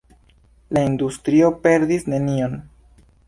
La industrio perdis nenion.